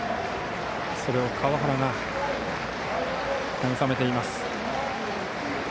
それを川原がなぐさめています。